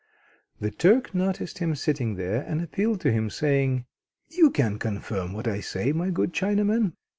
The Turk noticed him sitting there, and appealed to him, saying: "You can confirm what I say, my good Chinaman.